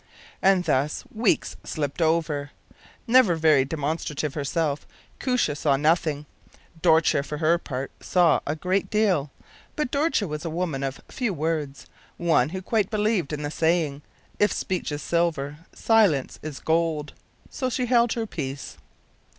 And thus weeks slipped over. Never very demonstrative herself, Koosje saw nothing, Dortje, for her part, saw a great deal; but Dortje was a woman of few words, one who quite believed in the saying, “If speech is silver, silence is gold;” so she held her peace.